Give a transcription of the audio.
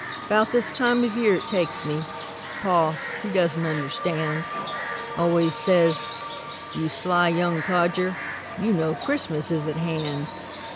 'Bout this time of year it takes me Pa, he doesn't understand, Always says: "You sly young codger, You know Christmas is at hand."